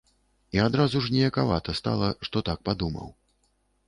І адразу ж ніякавата стала, што так падумаў.